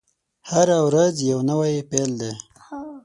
هره ورځ يو نوی پيل دی.